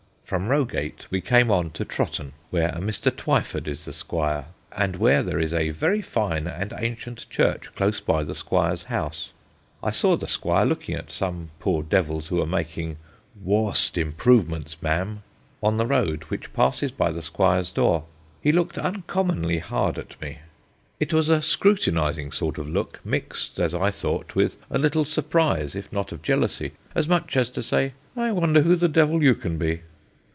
"From Rogate we came on to Trotton, where a Mr. Twyford is the squire, and where there is a very fine and ancient church close by the squire's house. I saw the squire looking at some poor devils who were making 'wauste improvements, ma'am,' on the road which passes by the squire's door. He looked uncommonly hard at me. It was a scrutinising sort of look, mixed, as I thought, with a little surprise, if not of jealousy, as much as to say, 'I wonder who the devil you can be?'